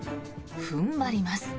踏ん張ります。